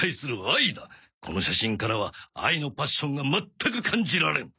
この写真からは愛のパッションがまったく感じられん！